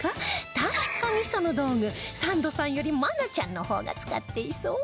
確かにその道具サンドさんより愛菜ちゃんの方が使っていそう